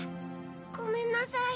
ごめんなさい。